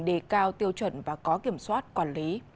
đề cao tiêu chuẩn và có kiểm soát quản lý